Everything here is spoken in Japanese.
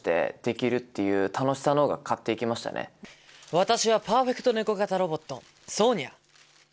私はパーフェクトネコ型ロボットソーニャ。